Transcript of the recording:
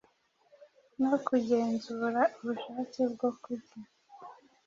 no kugenzura ubushake bwo kurya